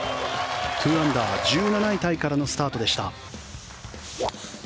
２アンダー、１７位タイからのスタートでした。